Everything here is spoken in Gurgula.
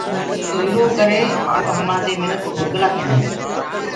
تو اِرو ڪري اب هماندي مِنکَ گُرگَلآ ڪيندآئينٚ۔